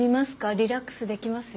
リラックスできますよ。